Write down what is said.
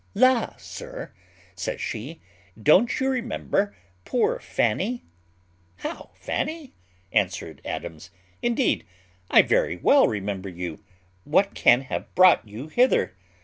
"La! sir," says she, "don't you remember poor Fanny?" "How, Fanny!" answered Adams: "indeed I very well remember you; what can have brought you hither?"